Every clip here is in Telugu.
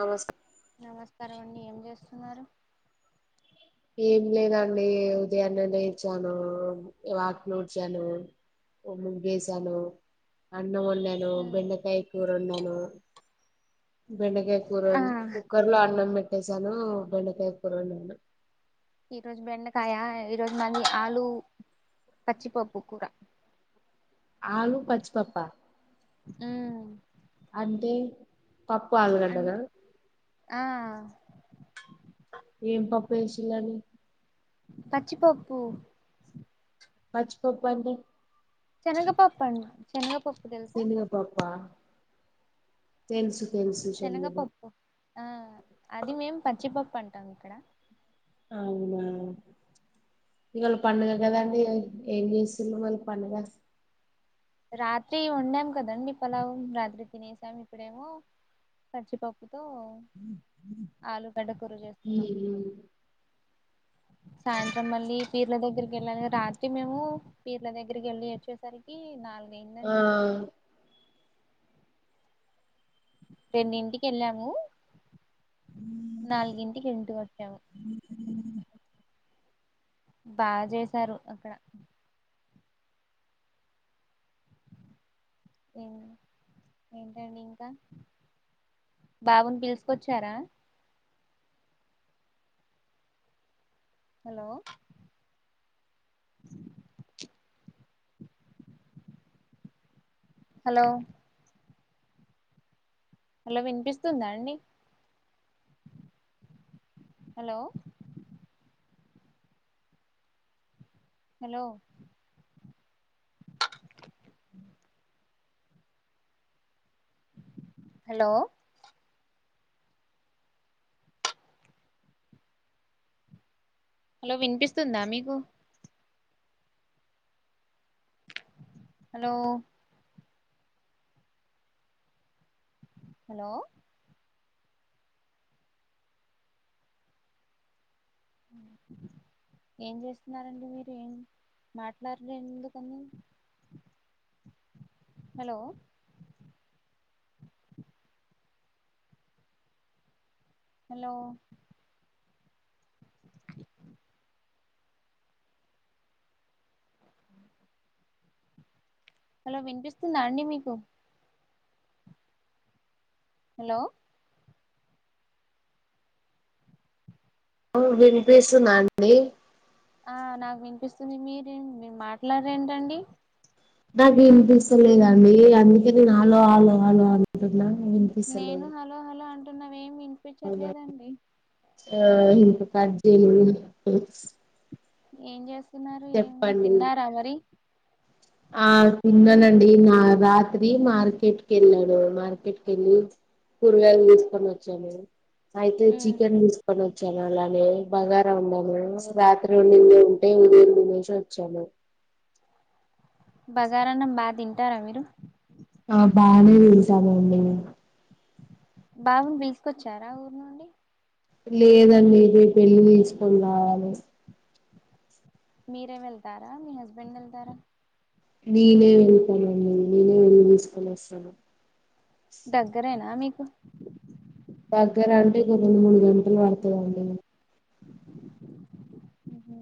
నమస్కారం నమస్కారం అండి ఏం చేస్తున్నారు. ఏం లేదండి ఉదయాన్నే లేగచాను వాకిలుడ్చాను. ముగ్గుసాను అన్నం వన్నాను బెండకాయ కూర వన్నాను. బెండకాయ ఆ కూరండి కుక్కర్ లో అన్నం పెట్టసాను బెండకాయ కూరండి. ఈ రోజు బెండకాయ ఈ రోజు మళ్ళీ ఆలు, పచ్చిపోప్పు కూర. ఆలు పచ్చిపప్పు. ఆ అంటే పప్పు అన్ ఆలుగడ్డనా. ఆ ఏం పప్పు వేసిలని. పచ్చిపప్పు. మర్చిపోప్పండి. చెనగపాప్పు చెనగపాప్పు. శనగా పప్పు తేలుసు. శనగపప్పు ఆ అది మేము పచ్చిపప్పు అంటాం ఇక్కడ, అవునా ఇవాళ పండుగ ఉమ్ కదండి ఏం చేసి, చిన్న మళ పనుగా, రాత్రి వండాం కదండి పలావ్ రాత్రి తినేసాం ఇప్పుడేమో, కచ్చిపప్పుతో ఆలుగడ్డ కూరవ చేస్తున్నాం. ఉమ్ సాయంత్రం మళ్ళీ పీర్ల దగ్గరికి వెళ్ళాలి రాత్రి మేము పీర్ల దగ్గరికి వెళ్ళి వచ్చేసరికి, ఈ ఆ నాలుగఅయ్యిందిఅండి. రెండింటికి వెళ్ళాము నాలుగింటికి ఇంటికి వచ్చాము. హ బా చేసారు అక్కడ ఏంటండి ఇంకా బాబుని పిలుస్కొచ్చారా హలో హలో హలో వినిపిస్తుందా అండి హలో హలో హలో హలో వినిపిస్తుందా మీకు హలో హలో అ ఏం చేస్తునారండి మీరు ఏం మాట్లాడ్రు ఎందుకని హలో హలో హలో వినిపిస్తుందా అండి మీకు హలో విన్పిస్తానండి ఆ నాకు వినిపిస్తుంది మీరే మీరు మాట్లాడరేంటండి నాకు వినిపిస్తలేదండి అందుకే నేను హలో ఆలో ఆలో అంటున్నా నేను వినిపిస్తలేదు హలో హలో అంటున్నావేమి అవునా వినిపించట్లేదండి ఆ ఇంక కట్ చై ఎందుకు ఏం చేస్తున్నారు ఏం చెప్పండి తిన్నారా మరి ఆ తిన్నానండి నా రాత్రి మార్కెట్కి వెళ్ళాను కెళ్ళి కూరగాయలు తీస్కుని వచ్చాను అయితే మ్మ్ చికెన్ తీస్కొని వచ్చాను అలానే బగారా ఉందన్ని రాత్రిం వండింది ఉంటే ఉదయం తినేసి వచ్చాను బగారాన్నం బా తింటారా మీరు ఆ బానే తినేసాం అందరమును బాబును తీస్కొచ్చారా ఊరు నుండి లేదండి రేపేళ్ళే తీస్కొని రావాలి మీరే వెళ్తారా మీ హస్బెండ్ వెళ్తారా నేనే వెళ్తానండి నేనే వెళ్ళి తీసుకొని వస్తాను దగ్గరేనా మీకు దగ్గర అంటె కొ రెండు మూడు గంటలు పడతదండి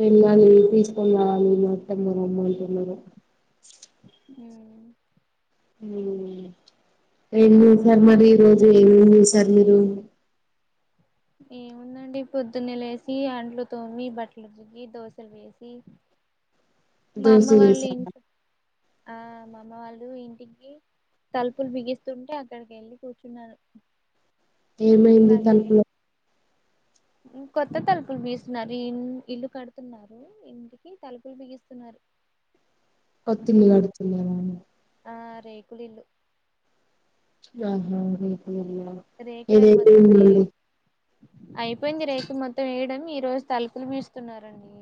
వెళ్ళాలి ఊరు తీసుకొని రావాలి మాటమురు అమ్మ అంటున్నారు ఉ ఏం చూసారు మరి ఈ రోజు ఏమేమ్ చేసారు మీరు ఏముందండి పొద్దున్న లేసి అంట్లు తోమి బట్టలు ఉతికి దోశలు వేసి మా దోశ అమ్మ వాళ్ళు చేసారా ఇంట్ ఆ మా అమ్మ వాళ్ళ ఇంటికి తల్పులు బిగిస్తుంటే అక్కడికి వెళ్ళి కూర్చున్నారు ఏమైంది తలుపులో కొత్త తలుపులు బిగిస్తునారు ఇ ఇల్లు కడుతున్నారు ఇంటికి తలుపులు బిగిస్తున్నారు కొత్తిల్లు కడుతున్నరా ఆ రేకుల ఇల్లు ఆహా రేకులు ఇల్ల రేకులయి మొత్తం ఏ అయిపోయింది. రేకులు మొత్తం వేయడం ఈ రోజు తలుకులు బిగిస్తున్నరండి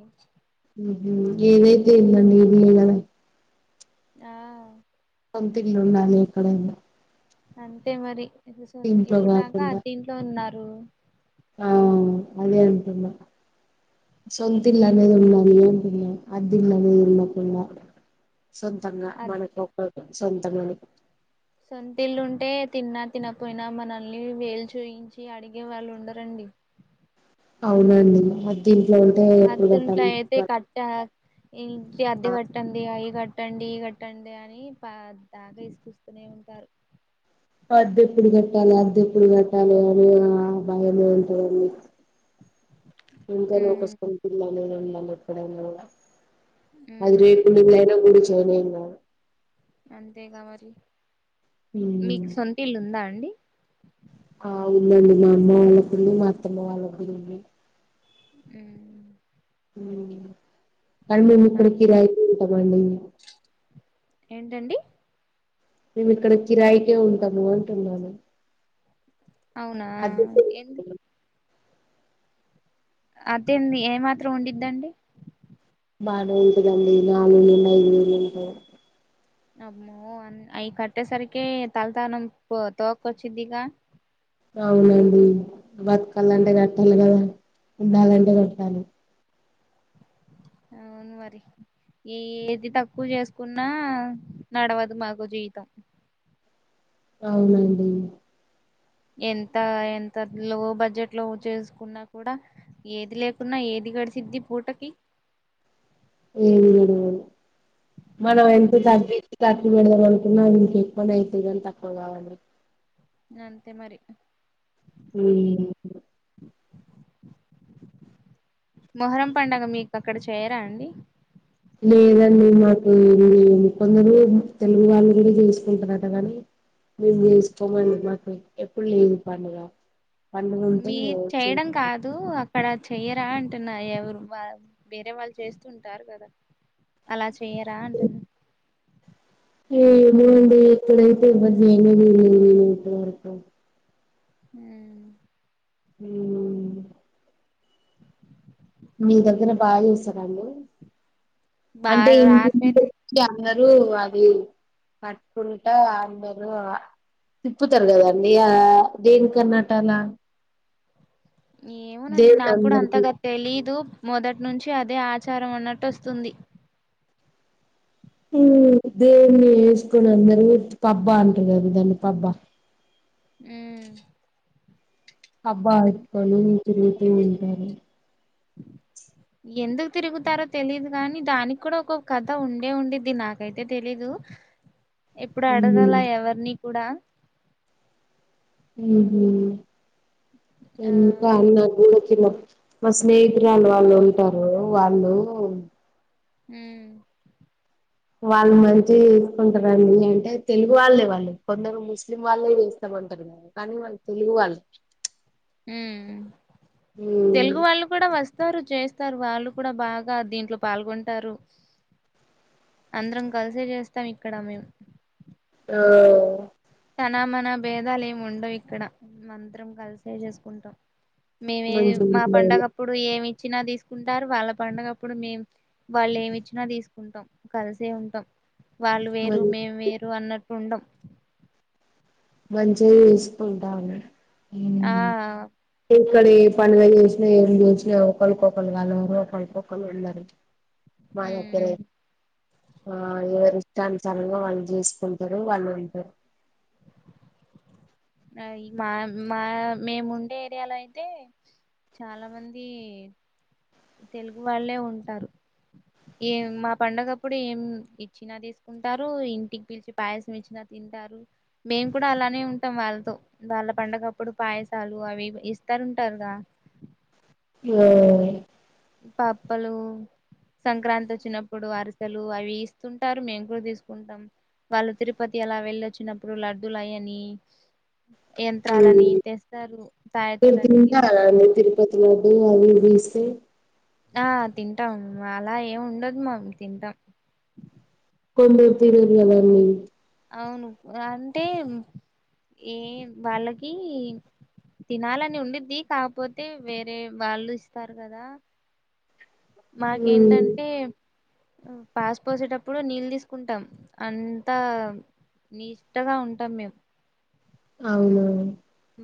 ఏదైతే వెళ్ందండి. ఏది వెళ [unintelligible] ఆ సొంతిల్లు ఉండాలి. ఎక్కడైనా అంతే మరి ఇంట్లో ఇప్పుడు దాకా కాకుండా అద్దిట్లో ఉన్నారు. ఆ అదే అంటున్నా. సొంతిల్ అనేది ఉండలీ. అంటున్నా అద్దిలని వెళ్ళకుండా సొంతంగా మనకొక్క సొంతమని సొంతిల్లుుంటే తిన్నా తినపోయినా మనల్ని వేలు చూయించి అడిగే వాళ్ళు ఉండరండి. అవునండి అద్దిట్లో ఉంటే ఎప్పుడు కట్టాలి. చ [unintelligible] ఇంటి అద్ద కట్టండి. అవి కట్టండి. ఇ కట్టండి అని. పదాగా తీసుకొస్తరూ [unintelligible] అద్దె ఎప్పుడు కట్టాలి. అద్దెప్పుడు కట్టాలి అని, ఆ భయమ ఉంటాందిడి ఇంకా లో ఉమ్ సొంతులనేది ఉండాలి. ఎక్కడనా అది ఉమ్ రేకుల ఇళ్లైన గుడిసైన ఎమ్ కాదు అంతేగా మరి మీకు ఉమ్, సొంటిల్లు ఉందా అండి ఆ ఉందండి. మా అమ్మ వాళ్ళకుంది. మా అత్తమ్మ వాళ్ళకు ఉందండీ ఉమ్ కానీ మా మేముపుడు కీరాయికుట్టమండి ఏంటండి మేము ఇక్కడ కిరాయికే ఉంటాము. అంటున్నాము. అవునా అది ఎ అద్దె ఏమాత్రం ఉంటూద్దండి. బాగా ఏం ఉండదండీ. నాలుగు వేలు ఐదు వేలు [unintelligible] అబ్మో అయి కట్టేసరికి తలతానం తోక వచ్చిదిగా అవునండి. బతకాలంటే కట్టాలి కదా ఉండాలంటే కట్టాలి. ఆ అవును మరి ఏది తక్కువ చేసుకున్నా నడవదు మాకు జీవితం అవునండి. ఎంత ఎంత లో బడ్జెట్ లో చేసుకున్నా కూడా ఏది లేకున్నా ఏది గడిసిద్ది పూటకి మనం ఎంత ఉమ్ తగ్గి తక్కువ ఏదైనా అనుకున్న ఇక ఎక్కువనే అయితాయి. కానీ తక్కువ కావండి. అంతే మరి హ మొహరం పండుగ మీకు అక్కడ చేయరా అండి. లేదండి. మాకుకొందరు తెలుగు వాళ్ళు కూడా చేసుకుంటురాట కానీ మేమ్ చేస్కోమండి. మాకు ఎప్పుడు లేవు పండుగ పండగుంటె మీ చేయడం కాదు అ అక్కడ చెయ్యరా అంటున్నా. ఎవరు వేరే వాళ్ళు చేస్తూ ఉంటారు. కదా అలా చెయ్యరా అంటున్న ఏ ఏమో అండి ఇక్కడైతే ఏవరికి చేయలేదు ఇంత వరకు ఉ ఉమ్ మీ దగ్గర బాగా చూస్తారండి అంటే బాగా రాత్రయితే ఎంటివి అందరూ అది కట్టుకుంట అందరూ తిప్పుతారు గదండి ఆ దేనికన్నాట్ అలా ఏమోనండి నా దేవుడు కూడా అందరికి అంతగా తెలీదు మొదటి నుంచి అదే ఆచారం ఉన్నట్టు వస్తుంది దేన్ని ఎసుకోనిందరు పబ్బా అంటానారు దాన్ని పబ్బా ఉమ్ అబ్బా ఆతుకోనీ తిరుగుతూ ఉంటారు ఆ ఎందుకు తిరుగుతారో తెలీదు గాని దానికి కూడా ఒక కథ ఉండే ఉండుది నాకైతే తెలీదు ఎప్పుడు ఉమ్, అడగలే ఎవరిని కూడా ఉహ్ ఆ ఏందుక్ వాళ్ళు ఊరికి ఒచ్చిన్లు మా స్నేహితురాలు వాళ్ళు ఉంటారు వాళ్ళు ఉ వాళ్ళు మంచి ఎసుకుంటారండి అంటే తెలుగు వాళ్ళే వాళ్ళు కొందరు ముస్లిం వాళ్ళే చేస్తామ అంటర్ కానీ వాళ్ళు తెలుగు వాళ్ళు మ్ ఉమ్, తెలుగు వాళ్ళు కూడా వస్తారు చేస్తారు వాళ్ళు కూడా బాగా దీంట్లో పాల్గొంటారు అందరం కలిసే చేస్తాం ఇక్కడ మేమ్ ఆ తనా మనా భేదాలు ఏమి ఉండవు ఇక్కడ అందరం కలిసే చేసుకుంటాం మేమ ఏది మా మంచిగా పండగప్పుడు ఏమి ఇచ్చినా తీసుకుంటారు వాళ్ళ పండగప్పుడు మేం వాళ్ళు ఏమి ఇచ్చినా తీసుకుంటాం కలిసే ఉంటాం వాళ్ళు మ వేరు మేం వేరు అన్నట్టు ఉండం మంచిగా ఎసుకుంటాఅన్నడు ఎ ఆ ఇక్కడ ఏ పండుగ చేసినా ఏం చూసినా ఒకళ్ళుకొకరు కలవరు ఒకళ్ళుకొకర్ ఉన్నరు మా దగ్గర ఉమ్ ఆ ఎవరి ఇష్టానుసారంగా వాళ్ళు చేసుకుంటారు వాళ్ళు ఉంటరు నాయి మా మా మేముండే ఏరియాలో అయితే చాలా మంది తెలుగు వాళ్ళే ఉంటారు ఏం మా పండగప్పుడు ఏం ఇచ్చినా తీసుకుంటారు ఇంటికి పిలిచి పాయసం ఇచ్చినా తింటారు మేము కూడా అలానే ఉంటాం వాళ్ళతో వాళ్ళ పండగప్పుడు పాయసాలు అవి ఇవి ఇ స్తార్ ఉంటారుగా ఆ పాప్పలు సంక్రాంతి వచ్చినప్పుడు అరిసెలు అవి ఇస్తుంటారు మేము కూడా తీసుకుంటాం వాళ్ళు తిరుపతి అలా వెళ్ళొచ్చినప్పుడు లడ్దులు అయని ఉమ్, యంత్రాలని తెస్తారు తాయత్తులని తీసుకొస్తారు ఇతను వడ్డి ఆవి ఇవి తీస్తే ఆ తింటాం అలా ఏమి ఉండదు మాకు తింటాం కొందరు తినరు కదండీ అవును అంటే ఏ వాళ్ళకి తినాలనుండిద్ధి కాపోతే వేరే వాళ్ళు ఇస్తారు కదా హ్మ్ మాకేంటంటే పాస్ పోసేటప్పుడు నీళ్ తీస్కుంటాం అంతా నీష్టగా ఉంటాం మేం అవునా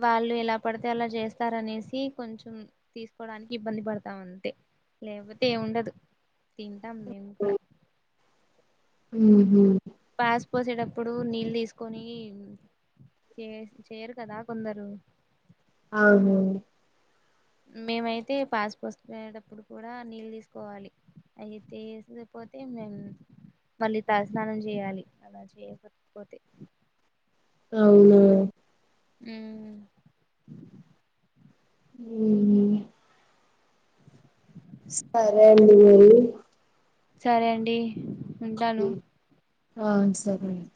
వాళ్ళు ఎలా పడితే అలా చేస్తారనేసి కొంచెం తీస్కోడానికి ఇబ్బంది పడతాం అంతే లేపోతే ఏముండదు తింటాం మేము కూడా ఉహు పేస్ పోసేటప్పుడు నీళ్ తీస్కుని చేస్ చేయరు కదా కొందరు అవును మేమైతే పాస్ పోస్కునేటప్పుడు కూడా నీళ్ తీస్పోవాలి అయితేఏసేపోతే మేం మళ్ళీ తలస్నానం చేయాలి అలా చేయక పోతే పోతాయ్ అవునా ఊ ఊ సరే అండిమరి సరే అండి ఊ ఉంటాను ఆ సరే అండి